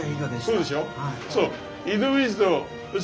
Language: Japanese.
そうでしょ。